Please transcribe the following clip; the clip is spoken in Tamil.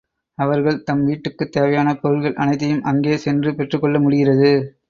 அவர்கள் தம் வீட்டுக்குத் தேவையான பொருள்கள் அனைத்தையும் அங்கே சென்று பெற்றுக் கொள்ள முடிகிறது.